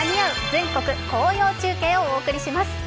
全国紅葉中継」をお送りします。